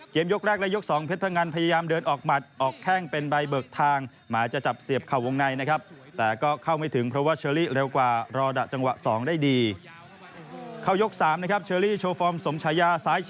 เกมยกแรกและยกสองเท็ดพันธุ์ภังงานพยายามเดินออกหมัด